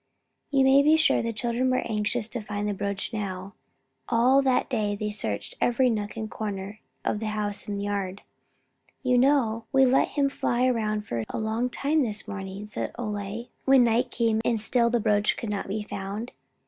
You may be sure the children were anxious to find the brooch now. All that day they searched in every nook and corner of the house and yard. "You know, we let him fly around for a long time this morning," said Ole, when night came and still the brooch could not be found.